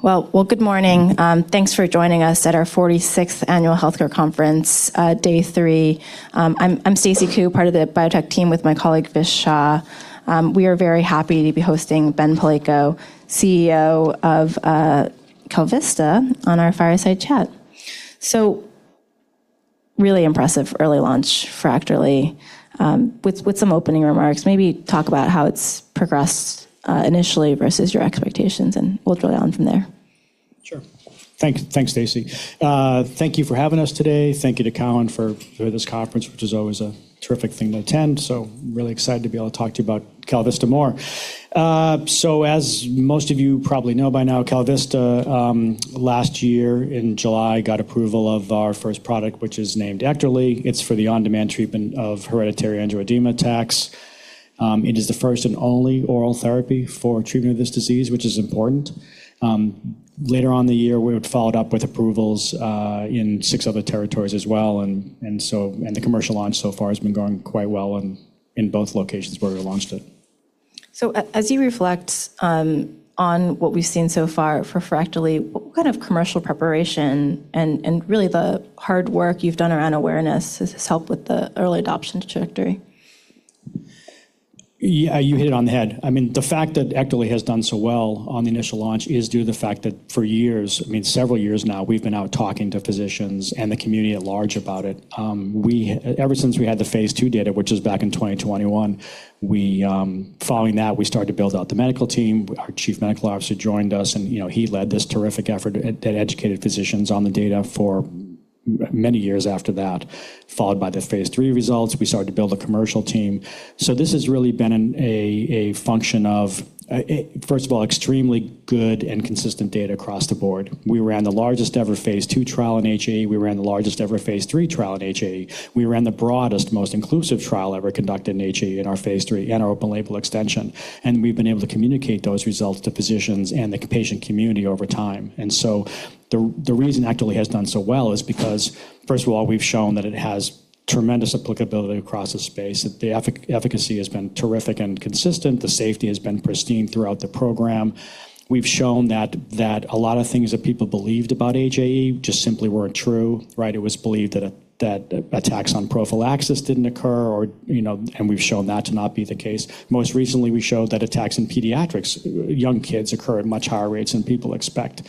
Well, good morning. Thanks for joining us at our 46th Annual Healthcare Conference, day 3. I'm Stacy Ku, part of the biotech team with my colleague Vish Shah. We are very happy to be hosting Ben Palleiko, CEO of KalVista on our fireside chat. Really impressive early launch for Ekterly, with some opening remarks. Maybe talk about how it's progressed, initially versus your expectations, and we'll drill down from there. Sure. Thanks, Stacy. Thank you for having us today. Thank you to Colin for this conference, which is always a terrific thing to attend, so really excited to be able to talk to you about KalVista more. As most of you probably know by now, KalVista, last year in July, got approval of our first product, which is named Ekterly. It's for the on-demand treatment of hereditary angioedema attacks. It is the first and only oral therapy for treatment of this disease, which is important. Later on the year, we would follow it up with approvals in 6 other territories. The commercial launch so far has been going quite well in both locations where we launched it. As you reflect on what we've seen so far for Ekterly, what commercial preparation and really the hard work you've done around awareness has helped with the early adoption trajectory? Yeah, you hit it on the head. The fact that Ekterly has done so well on the initial launch is due to the fact that for years, several years now, we've been out talking to physicians and the community at large about it. Ever since we had the phase 2 data, which was back in 2021, we, following that, we started to build out the medical team. Our Chief Medical Officer joined us, and he led this terrific effort that educated physicians on the data for many years after that, followed by the phase 3 results. We started to build a commercial team. This has really been a function of, first of all, extremely good and consistent data across the board. We ran the largest ever phase 2 trial in HAE. We ran the largest ever Phase 3 trial in HAE. We ran the broadest, most inclusive trial ever conducted in HAE in our Phase 3 and our open-label extension, and we've been able to communicate those results to physicians and the patient community over time. The reason Ekterly has done so well is because, first of all, we've shown that it has tremendous applicability across the space. The efficacy has been terrific and consistent. The safety has been pristine throughout the program. We've shown that a lot of things that people believed about HAE just simply weren't true, right? It was believed that attacks on prophylaxis didn't occur or we've shown that to not be the case. Most recently, we showed that attacks in pediatrics, young kids occur at much higher rates than people expect.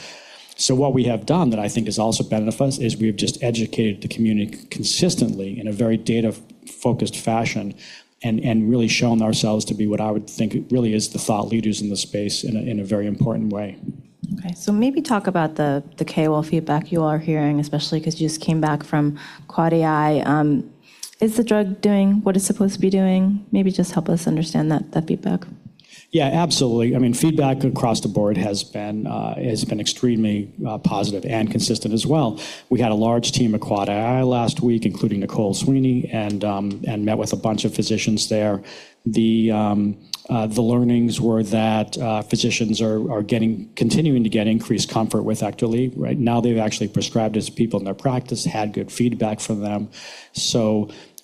What we have done that has also benefited us is we've just educated the community consistently in a very data-focused fashion and really shown ourselves to be what I would think really is the thought leaders in the space in a very important way. Maybe talk about the KOL feedback you are hearing, especially 'cause you just came back from Q1. Is the drug doing what it's supposed to be doing? Maybe just help us understand that feedback. Yeah, absolutely. Feedback across the board has been extremely positive and consistent. We had a large team at Quad I last week, including Nicole Sweeney, and met with a bunch of physicians there. The learnings were that physicians are continuing to get increased comfort with Ekterly. Right now, they've actually prescribed it to people in their practice, had good feedback from them.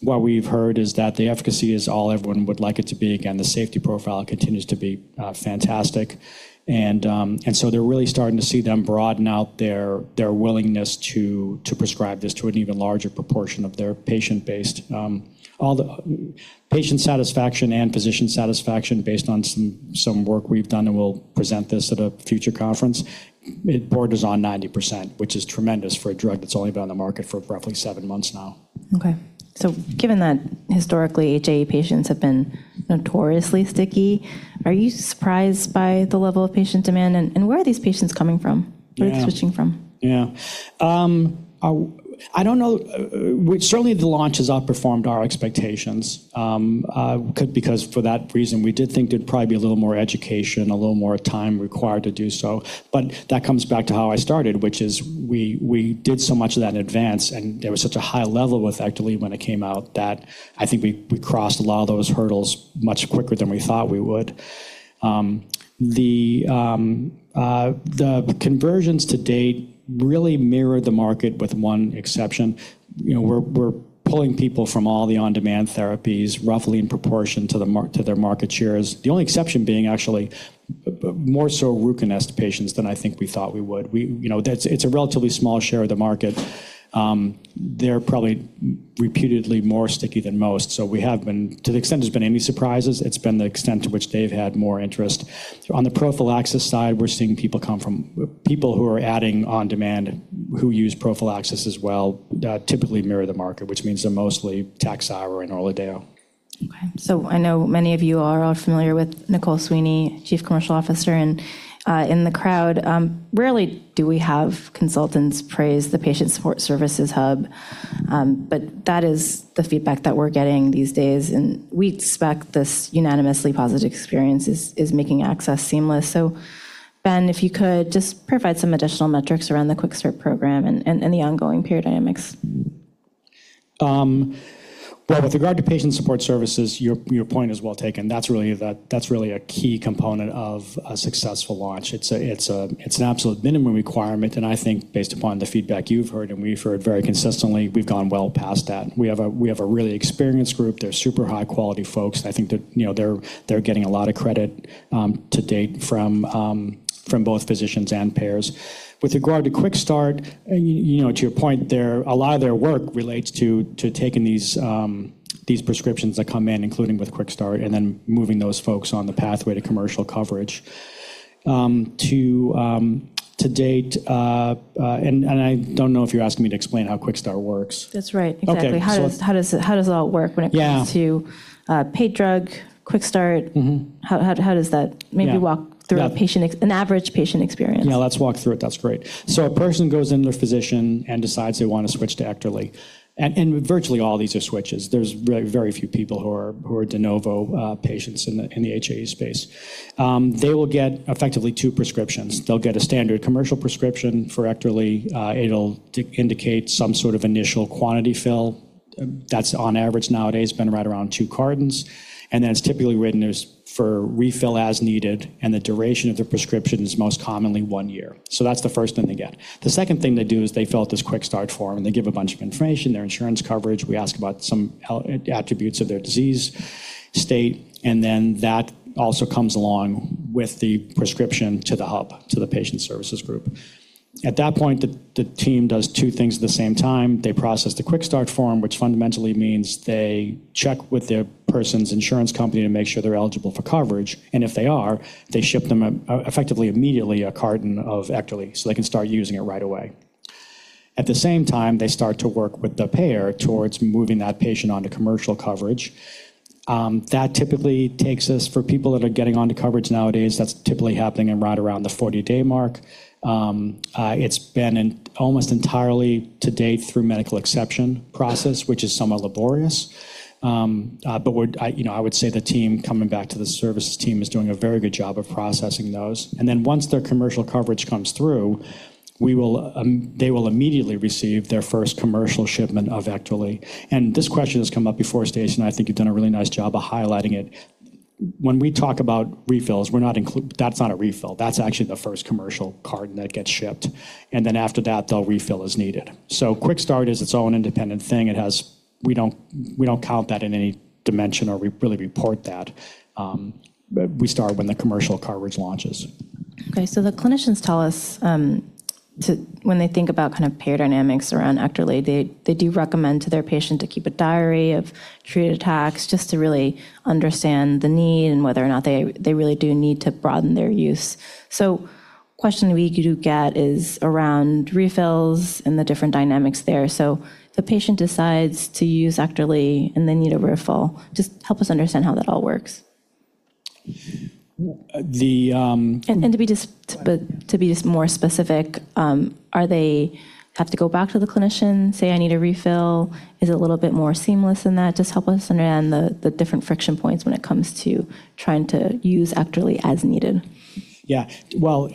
What we've heard is that the efficacy is all everyone would like it to be. Again, the safety profile continues to be fantastic. They're really starting to see them broaden out their willingness to prescribe this to an even larger proportion of their patient-based. All the patient satisfaction and physician satisfaction based on some work we've done, and we'll present this at a future conference. It borders on 90%, which is tremendous for a drug that's only been on the market for roughly 7 months now. Given that historically HAE patients have been notoriously sticky, are you surprised by the level of patient demand, and where are these patients coming from? Yeah. Where are they switching from? Yeah. I don't know. Certainly the launch has outperformed our expectations because for that reason, we did think there'd probably be a little more education, a little more time required to do so. That comes back to how I started, which is we did so much of that in advance, and there was such a high level with Ekterly when it came out that we crossed a lot of those hurdles much quicker than we thought we would. The conversions to date really mirror the market with one exception. We're pulling people from all the on-demand therapies roughly in proportion to their market shares. The only exception being actually more so Ruconest patients than we thought we would. It's a relatively small share of the market. They're probably repeatedly more sticky than most. To the extent there's been any surprises, it's been the extent to which they've had more interest. On the prophylaxis side, we're seeing people who are adding on-demand, who use prophylaxis, typically mirror the market, which means they're mostly TAKHZYRO and Orladeyo. I know many of you are all familiar with Nicole Sweeney, Chief Commercial Officer, and in the crowd, rarely do we have consultants praise the patient support services hub, that is the feedback that we're getting these days, and we expect this unanimously positive experience is making access seamless. Ben, if you could, just provide some additional metrics around the QuickStart program and the ongoing peer dynamics. Well, with regard to patient support services, your point is well taken. That's really a key component of a successful launch. It's a, it's a, it's an absolute minimum requirement, and based upon the feedback you've heard and we've heard very consistently, we've gone well past that. We have a really experienced group. They're super high-quality folks. That they're getting a lot of credit to date from from both physicians and payers. With regard to QuickStart to your point, a lot of their work relates to taking these these prescriptions that come in, including with QuickStart, and then moving those folks on the pathway to commercial coverage. To date, I don't know if you're asking me to explain how QuickStart works. That's right. Exactly. Okay. How does it all work when it comes to? Yeah. paid drug, QuickStart Mm-hmm. How does that maybe walk through an average patient experience? Yeah, let's walk through it. That's great. A person goes in their physician and decides they wanna switch to Ekterly. Virtually all these are switches. There's very few people who are de novo patients in the HAE space. They will get effectively 2 prescriptions. They'll get a standard commercial prescription for Ekterly. It'll indicate some sort of initial quantity fill that's on average nowadays been right around 2 cartons, and then it's typically written as for refill as needed, and the duration of the prescription is most commonly 1 year. That's the first thing they get. The second thing they do is they fill out this QuickStart form, and they give a bunch of information, their insurance coverage. We ask about some attributes of their disease state, and then that also comes along with the prescription to the hub, to the patient services group. At that point, the team does 2 things at the same time. They process the QuickStart form, which fundamentally means they check with their person's insurance company to make sure they're eligible for coverage, and if they are, they ship them effectively, immediately a carton of Ekterly, so they can start using it right away. At the same time, they start to work with the payer towards moving that patient onto commercial coverage. That typically takes us, for people that are getting onto coverage nowadays, that's typically happening in right around the 40-day mark. It's been in almost entirely to date through medical exception process, which is somewhat laborious. I would say the team coming back to the services team is doing a very good job of processing those. Once their commercial coverage comes through, they will immediately receive their first commercial shipment of Ekterly. This question has come up before, Stacia, and you've done a really nice job of highlighting it. When we talk about refills, that's not a refill. That's actually the first commercial carton that gets shipped, and then after that, they'll refill as needed. QuickStart is its own independent thing. We don't count that in any dimension or really report that. We start when the commercial coverage launches. Okay. The clinicians tell us, when they think about payer dynamics around Ekterly, they do recommend to their patient to keep a diary of treated attacks just to really understand the need and whether or not they really do need to broaden their use. Question we do get is around refills and the different dynamics there. The patient decides to use Ekterly and they need a refill. Just help us understand how that all works. Uh, the, um- To be just, but to be just more specific, are they have to go back to the clinician, say, "I need a refill?" Is it a little bit more seamless than that? Just help us understand the different friction points when it comes to trying to use Ekterly as needed. Well,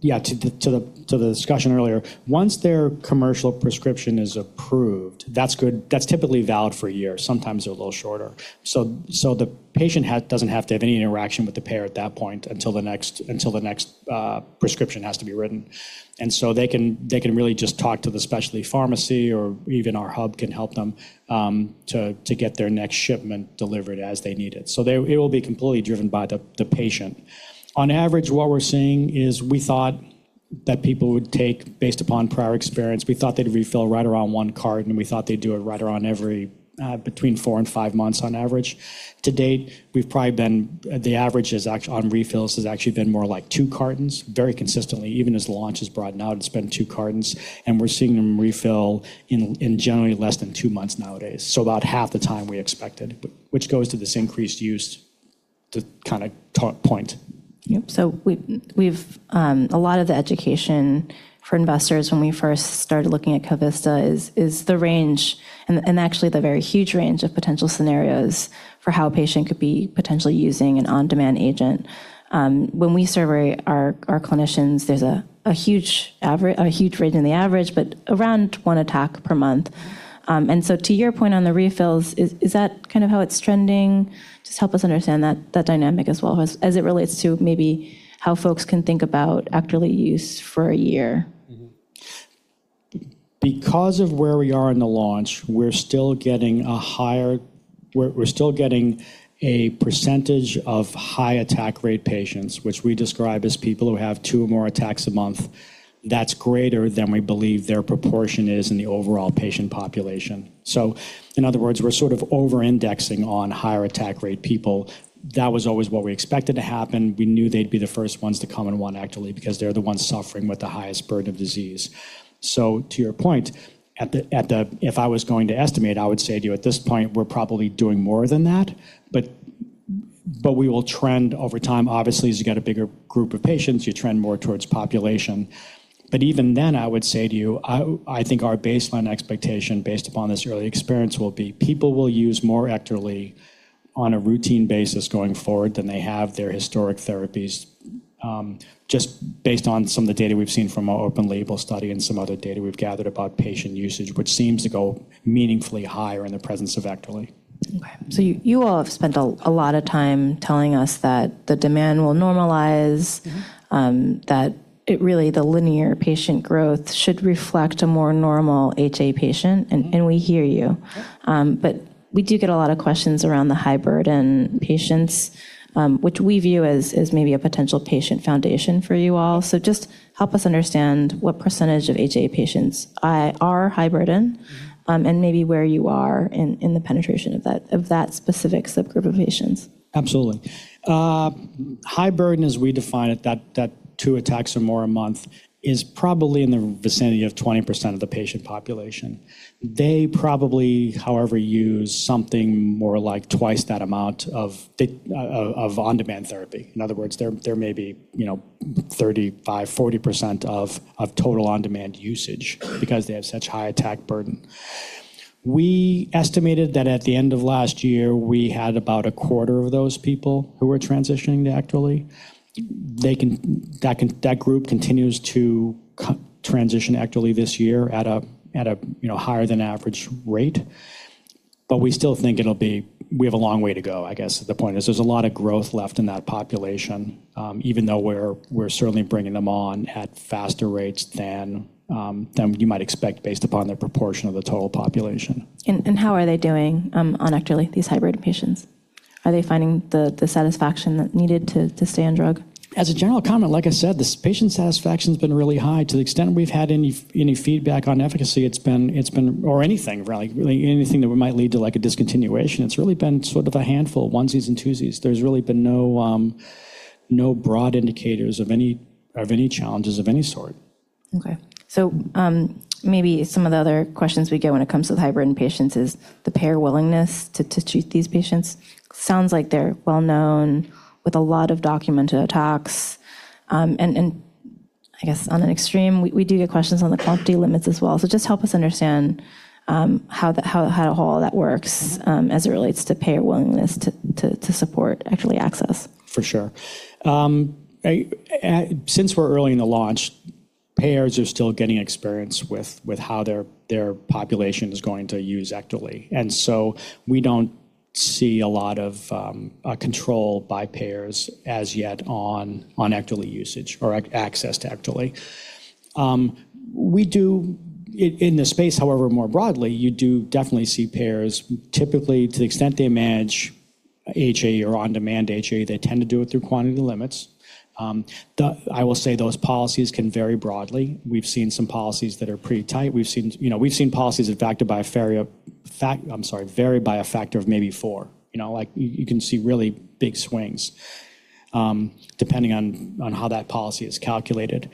yeah, to the discussion earlier, once their commercial prescription is approved, that's good. That's typically valid for a year, sometimes they're a little shorter. The patient doesn't have to have any interaction with the payer at that point until the next prescription has to be written. They can really just talk to the specialty pharmacy or even our hub can help them to get their next shipment delivered as they need it. It will be completely driven by the patient. On average, what we're seeing is we thought that people would take, based upon prior experience, we thought they'd refill right around 1 carton, and we thought they'd do it right around every between 4 and 5 months on average. To date, we've probably been, the average is act-- on refills has actually been more like 2 cartons, very consistently. Even as launch has broadened out, it's been 2 cartons, and we're seeing them refill in generally less than 2 months nowadays, so about half the time we expected, which goes to this increased use to kinda ta-- point. Yep. We've a lot of the education for investors when we first started looking at KalVista is the range and actually the very huge range of potential scenarios for how a patient could be potentially using an on-demand agent. When we survey our clinicians, there's a huge range in the average, but around one attack per month. To your point on the refills, is that how it's trending? Just help us understand that dynamic as it relates to maybe how folks can think about Ekterly use for a year. Because of where we are in the launch, we're still getting a higher percentage of high attack rate patients, which we describe as people who have 2 or more attacks a month. That's greater than we believe their proportion is in the overall patient population. In other words, we're sort of over-indexing on higher attack rate people. That was always what we expected to happen. We knew they'd be the first ones to come and want Ekterly because they're the ones suffering with the highest burden of disease. To your point, at the, if I was going to estimate, I would say to you at this point, we're probably doing more than that. We will trend over time. Obviously, as you get a bigger group of patients, you trend more towards population. Even then, I would say to you, our baseline expectation based upon this early experience will be people will use more Ekterly on a routine basis going forward than they have their historic therapies. Just based on some of the data we've seen from our open-label study and some other data we've gathered about patient usage, which seems to go meaningfully higher in the presence of Ekterly. Okay. You all have spent a lot of time telling us that the demand will normalize- Mm-hmm. That it really, the linear patient growth should reflect a more normal HAE patient and we hear you. Yeah. We do get a lot of questions around the high burden patients, which we view as maybe a potential patient foundation for you all. Just help us understand what percentage of HAE patients are high burden, and maybe where you are in the penetration of that specific subgroup of patients? Absolutely. high burden as we define it, that 2 attacks or more a month, is probably in the vicinity of 20% of the patient population. They probably, however, use something more like twice that amount of on-demand therapy. In other words, they may be 35% to 40% of total on-demand usage because they have such high attack burden. We estimated that at the end of last year, we had about a quarter of those people who were transitioning to Ekterly. That group continues to transition Ekterly this year at a higher than average rate. We still think it'll be... We have a long way to go is the point, is there's a lot of growth left in that population, even though we're certainly bringing them on at faster rates than you might expect based upon their proportion of the total population. How are they doing, on Ekterly, these high burden patients? Are they finding the satisfaction that's needed to stay on drug? As a general comment, like I said, this patient satisfaction's been really high. To the extent we've had any feedback on efficacy, or anything really, anything that might lead to like a discontinuation, it's really been sort of a handful, onesies and twosies. There's really been no broad indicators of any challenges of any sort. Okay. Maybe some of the other questions we get when it comes to the high burden patients is the payer willingness to treat these patients. Sounds like they're well known with a lot of documented attacks. And on an extreme, we do get questions on the quantity limits. Just help us understand how all that works as it relates to payer willingness to support Ekterly access. For sure. Since we're early in the launch, payers are still getting experience with how their population is going to use Ekterly. We don't see a lot of control by payers as yet on Ekterly usage or access to Ekterly. We do. In this space, however, more broadly, you do definitely see payers, typically to the extent they manage HAE or on-demand HAE, they tend to do it through quantity limits. I will say those policies can vary broadly. We've seen some policies that are pretty tight. We've seen policies that factor by I'm sorry, vary by a factor of maybe 4. Lke, you can see really big swings depending on how that policy is calculated.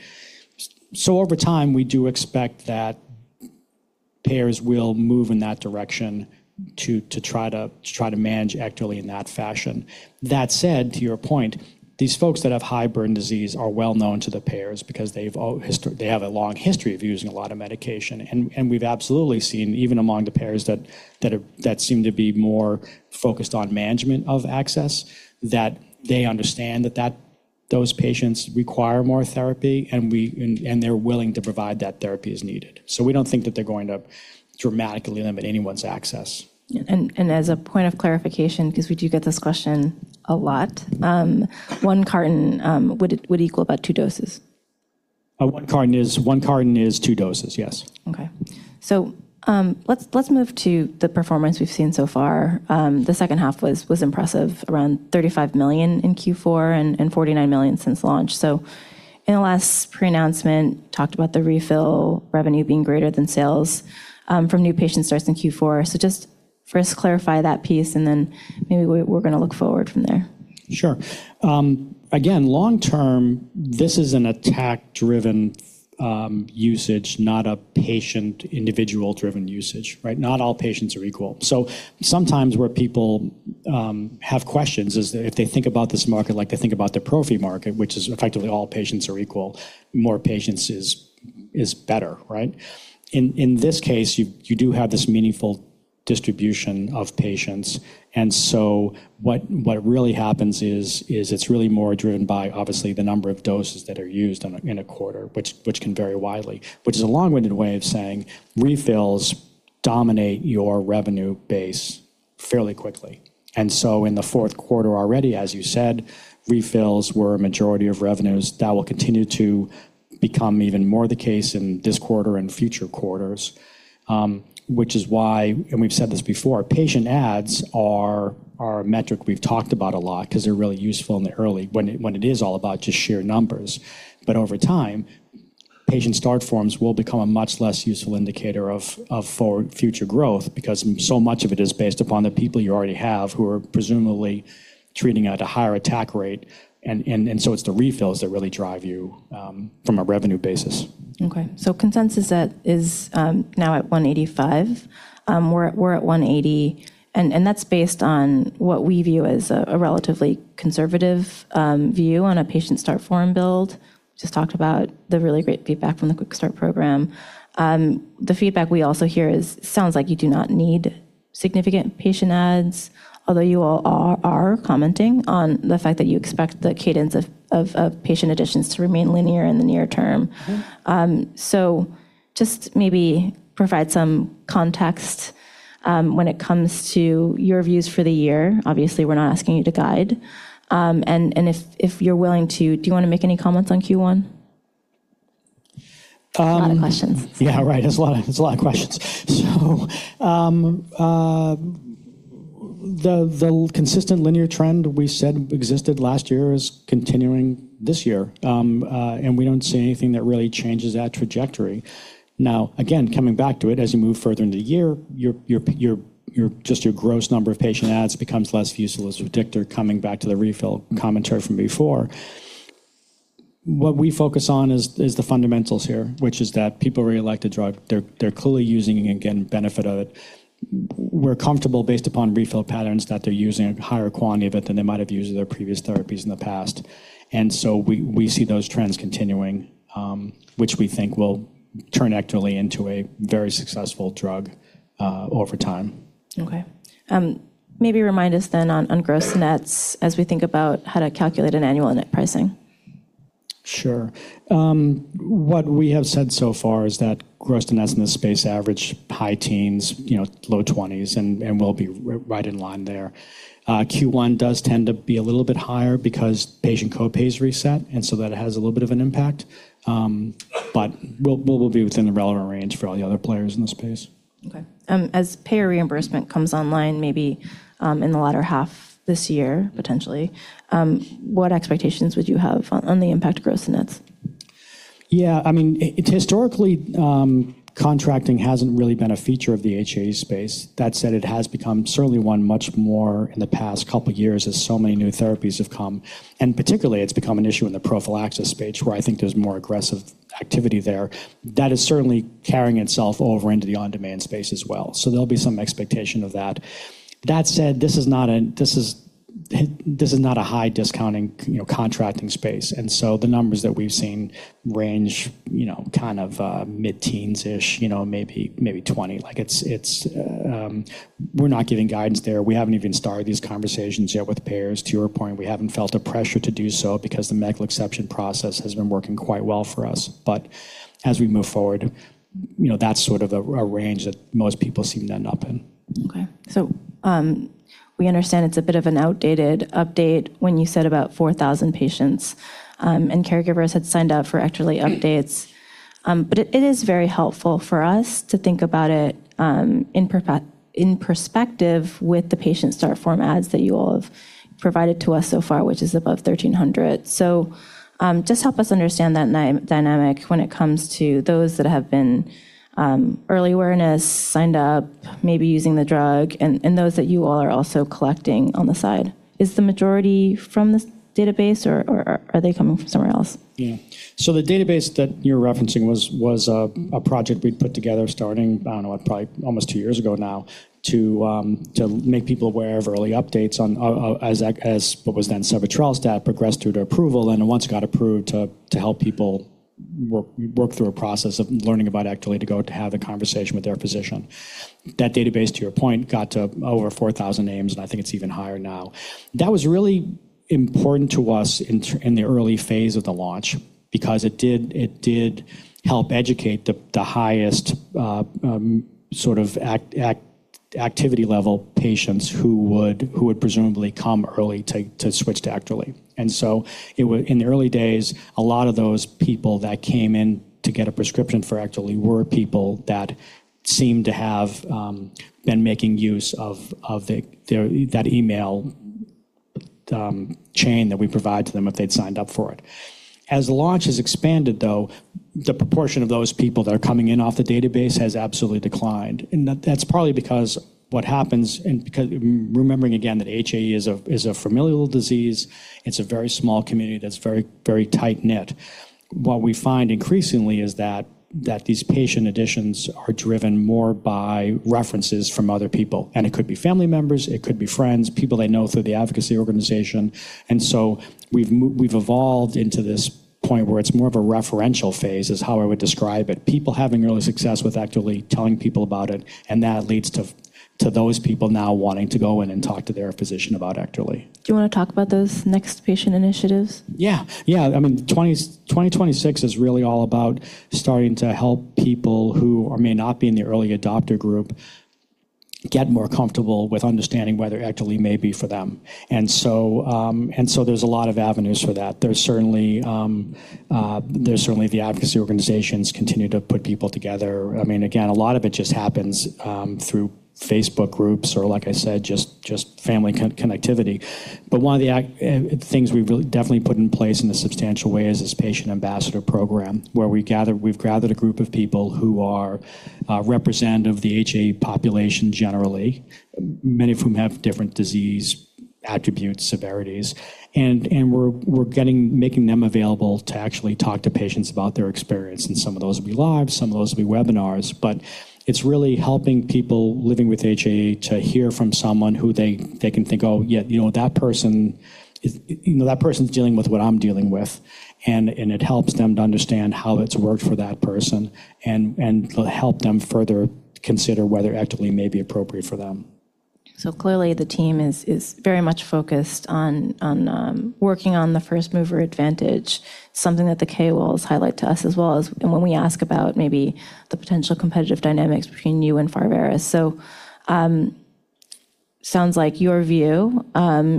Over time, we do expect that payers will move in that direction to try to manage Ekterly in that fashion. That said, to your point, these folks that have high burden disease are well known to the payers because they have a long history of using a lot of medication. We've absolutely seen, even among the payers that are, that seem to be more focused on management of access, that they understand that those patients require more therapy, and they're willing to provide that therapy as needed. We don't think that they're going to dramatically limit anyone's access. Yeah. As a point of clarification, because we do get this question a lot, one carton would equal about 2 doses. One carton is 2 doses, yes. Okay. let's move to the performance we've seen so far. The H2 was impressive, around $35 million in Q4 and $49 million since launch. In the last pre-announcement, talked about the refill revenue being greater than sales, from new patient starts in Q4. Just first clarify that piece, and then maybe we're gonna look forward from there. Sure. Again, long term, this is an attack-driven usage, not a patient individual-driven usage, right? Not all patients are equal. Sometimes where people have questions is if they think about this market like they think about the prophy market, which is effectively all patients are equal, more patients is better, right? In this case, you do have this meaningful distribution of patients. What really happens is it's really more driven by obviously the number of doses that are used in a quarter, which can vary widely. Which is a long-winded way of saying refills dominate your revenue base fairly quickly. In the Q4 already, as you said, refills were a majority of revenues. That will continue to become even more the case in this quarter and future quarters. Which is why, and we've said this before, patient adds are a metric we've talked about a lot 'cause they're really useful in the early. When it is all about just sheer numbers. Over time, patient start forms will become a much less useful indicator of for future growth because so much of it is based upon the people you already have who are presumably treating at a higher attack rate. It's the refills that really drive you from a revenue basis. Okay. Consensus at is now at $185. We're at $180, and that's based on what we view as a relatively conservative view on a patient start form build. Just talked about the really great feedback from the QuickStart program. The feedback we also hear is sounds like you do not need significant patient adds, although you all are commenting on the fact that you expect the cadence of patient additions to remain linear in the near term. Just maybe provide some context when it comes to your views for the year. Obviously, we're not asking you to guide. And if you're willing to, do you wanna make any comments on Q1? A lot of questions. Yeah, right. There's a lot of questions. The consistent linear trend we said existed last year is continuing this year, and we don't see anything that really changes that trajectory. Now, again, coming back to it, as you move further into the year, your just your gross number of patient adds becomes less useful as a predictor coming back to the refill commentary from before. We focus on the fundamentals here, which is that people really like the drug. They're clearly using it and getting benefit out of it. We're comfortable based upon refill patterns that they're using a higher quantity of it than they might have used their previous therapies in the past. We see those trends continuing, which we think will turn Ekterly into a very successful drug over time. Okay. maybe remind us then on gross-to-net as we think about how to calculate an annual net pricing. Sure. What we have said so far is that gross-to-nets in the space average high teens, low 20s, and we'll be right in line there. Q1 does tend to be a little bit higher because patient co-pays reset, and so that has a little bit of an impact. We'll be within the relevant range for all the other players in the space. Okay. As payer reimbursement comes online, maybe, in the latter half this year, potentially, what expectations would you have on the impact gross nets? Yeah. Historically, contracting hasn't really been a feature of the HAE space. That said, it has become certainly one much more in the past couple years as so many new therapies have come. Particularly, it's become an issue in the prophylaxis space, where I there's more aggressive activity there. That is certainly carrying itself over into the on-demand space. There'll be some expectation of that. That said, this is not a high discounting contracting space. The numbers that we've seen range, mid-teens-ish, maybe 20. Like it's. We're not giving guidance there. We haven't even started these conversations yet with payers. To your point, we haven't felt a pressure to do so because the medical exception process has been working quite well for us. As we move forward that's sort of a range that most people seem to end up in. Okay. We understand it's a bit of an outdated update when you said about 4,000 patients, and caregivers had signed up for Ekterly updates. It, it is very helpful for us to think about it, in perspective with the patient start form adds that you all have provided to us so far, which is above 1,300. Just help us understand that dynamic when it comes to those that have been, early awareness, signed up, maybe using the drug, and those that you all are also collecting on the side. Is the majority from this database or, or are they coming from somewhere else? Yeah. The database that you're referencing was a project we'd put together starting, I don't know, probably almost 2 years ago now, to make people aware of early updates on what was then several trials that progressed through to approval, and once it got approved, to help people work through a process of learning about Ekterly to go to have the conversation with their physician. That database, to your point, got to over 4,000 names, and it's even higher now. That was really important to us in the early phase of the launch because it did help educate the highest activity level patients who would presumably come early to switch to Ekterly. In the early days, a lot of those people that came in to get a prescription for Ekterly were people that seemed to have been making use of the, their, that email chain that we provide to them if they'd signed up for it. As the launch has expanded, though, the proportion of those people that are coming in off the database has absolutely declined. That's probably because what happens, remembering again that HAE is a familial disease, it's a very small community that's very tight-knit. What we find increasingly is that these patient additions are driven more by references from other people, and it could be family members, it could be friends, people they know through the advocacy organization. We've evolved into this point where it's more of a referential phase is how I would describe it. People having early success with Ekterly, telling people about it, and that leads to those people now wanting to go in and talk to their physician about Ekterly. Do you wanna talk about those next patient initiatives? Yeah. Yeah. 2026 is really all about starting to help people who may not be in the early adopter group get more comfortable with understanding whether Ekterly may be for them. There's a lot of avenues for that. There's certainly the advocacy organizations continue to put people together. Again, a lot of it just happens through Facebook groups or, like I said, just family connectivity. One of the things we've really definitely put in place in a substantial way is this patient ambassador program, where we've gathered a group of people who are representative of the HAE population generally, many of whom have different disease attributes, severities. We're getting, making them available to actually talk to patients about their experience, and some of those will be live, some of those will be webinars. It's really helping people living with HAE to hear from someone who they can think, "Oh, yeah that person is, that person's dealing with what I'm dealing with." It helps them to understand how it's worked for that person and help them further consider whether Ekterly may be appropriate for them. Clearly the team is very much focused on working on the first mover advantage, something that the KOLs highlight to us as when we ask about maybe the potential competitive dynamics between you and Pharvaris. Sounds like your view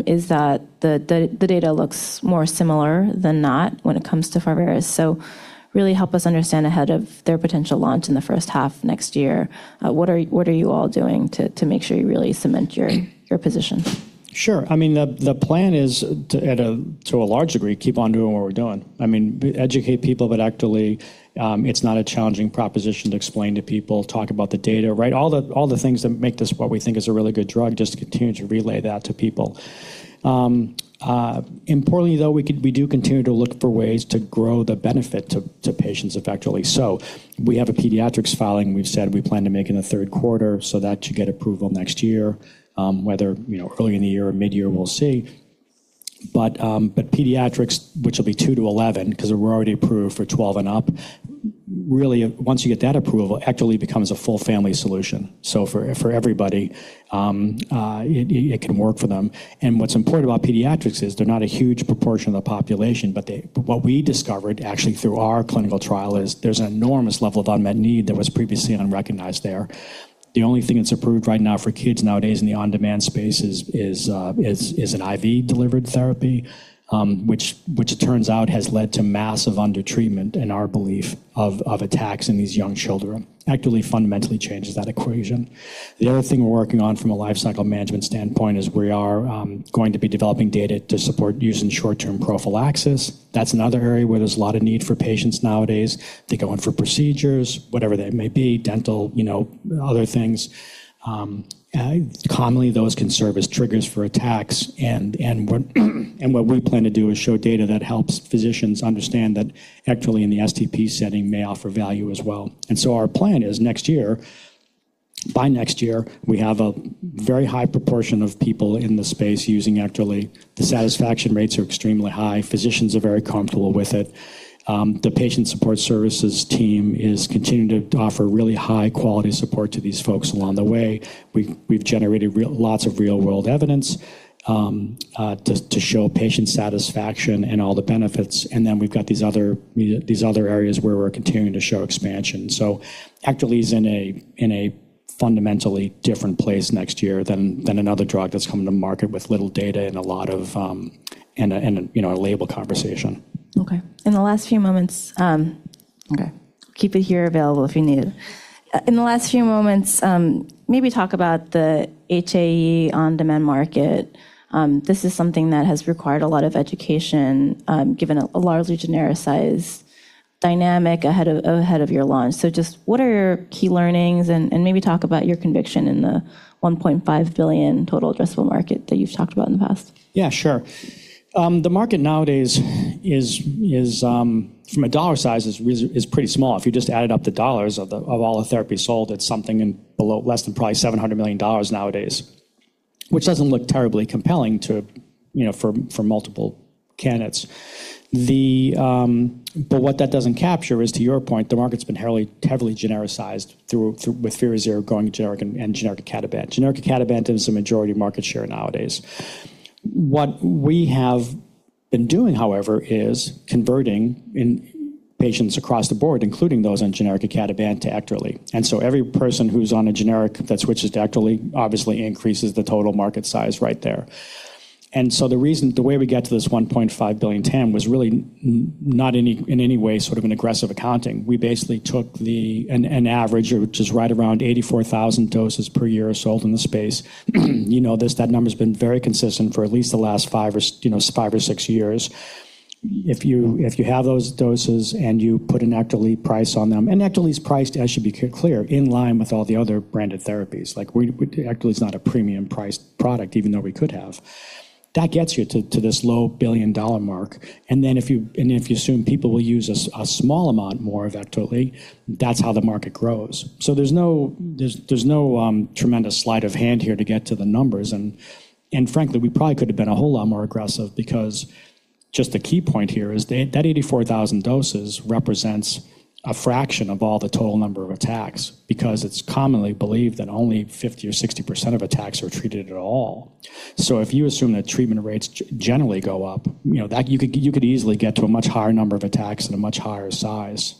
is that the data looks more similar than not when it comes to Pharvaris. Really help us understand ahead of their potential launch in the H1 of next year, what are you all doing to make sure you really cement your position? Sure. The plan is to a large degree, keep on doing what we're doing. Educate people that Ekterly, it's not a challenging proposition to explain to people, talk about the data, right? All the things that make this what we think is a really good drug, just continue to relay that to people. Importantly though, we do continue to look for ways to grow the benefit to patients of Ekterly. We have a pediatrics filing we've said we plan to make in the Q3 so that should get approval next year, whether early in the year or mid-year, we'll see. Pediatrics, which will be 2-11 'cause we're already approved for 12 and up, really once you get that approval, Ekterly becomes a full family solution. For everybody, it can work for them. What's important about pediatrics is they're not a huge proportion of the population, but what we discovered actually through our clinical trial is there's an enormous level of unmet need that was previously unrecognized there. The only thing that's approved right now for kids nowadays in the on-demand space is an IV-delivered therapy, which it turns out has led to massive undertreatment, in our belief, of attacks in these young children. Ekterly fundamentally changes that equation. The other thing we're working on from a lifecycle management standpoint is we are going to be developing data to support use in short-term prophylaxis. That's another area where there's a lot of need for patients nowadays. They go in for procedures, whatever that may be, dental other things, commonly those can serve as triggers for attacks. And what we plan to do is show data that helps physicians understand that Ekterly in the STP setting may offer value. Our plan is next year, by next year, we have a very high proportion of people in the space using Ekterly. The satisfaction rates are extremely high. Physicians are very comfortable with it. The patient support services team is continuing to offer really high quality support to these folks along the way. We've generated lots of real-world evidence to show patient satisfaction and all the benefits. Then we've got these other areas where we're continuing to show expansion. Ekterly's in a fundamentally different place next year than another drug that's coming to market with little data and a lot of a label conversation. Okay. In the last few moments. Okay. Keep it here available if you need it. In the last few moments, maybe talk about the HAE on-demand market. This is something that has required a lot of education, given a largely genericized dynamic ahead of your launch. Just what are your key learnings? Maybe talk about your conviction in the $1.5 billion total addressable market that you've talked about in the past? Yeah, sure. The market nowadays is from a dollar size is pretty small. If you just added up the dollars of the, of all the therapy sold, it's something in below less than probably $700 million nowadays, which doesn't look terribly compelling to for multiple candidates. What that doesn't capture is, to your point, the market's been heavily genericized through with Firazyr going generic and generic icatibant. Generic icatibant tends the majority of market share nowadays. What we have been doing, however, is converting in patients across the board, including those on generic icatibant, to Ekterly. Every person who's on a generic that switches to Ekterly obviously increases the total market size right there. The reason, the way we get to this $1.5 billion TAM was really not in any way sort of an aggressive accounting. We basically took an average, which is right around 84,000 doses per year sold in the space. This, that number's been very consistent for at least the last 5 or 5 or s 6 years. If you, if you have those doses and you put an Ekterly price on them, and Ekterly's priced, I should be clear, in line with all the other branded therapies. Like we Ekterly's not a premium priced product, even though we could have. That gets you to this low billion-dollar mark, if you assume people will use a small amount more of Ekterly, that's how the market grows. There's no tremendous sleight of hand here to get to the numbers and frankly, we probably could have been a whole lot more aggressive because just the key point here is that 84,000 doses represents a fraction of all the total number of attacks because it's commonly believed that only 50% or 60% of attacks are treated at all. If you assume that treatment rates generally go up that you could easily get to a much higher number of attacks at a much higher size.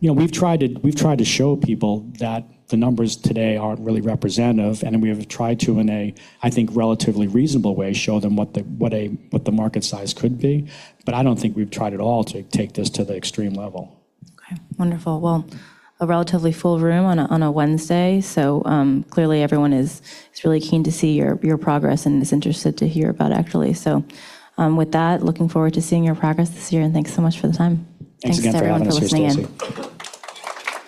We've tried to show people that the numbers today aren't really representative, and we have tried to, in a relatively reasonable way, show them what the market size could be. I don't think we've tried at all to take this to the extreme level. Okay. Wonderful. Well, a relatively full room on a, on a Wednesday. Clearly everyone is really keen to see your progress and is interested to hear about Ekterly. With that, looking forward to seeing your progress this year, and thanks so much for the time. Thanks again for having us here today. Thanks everyone for listening in.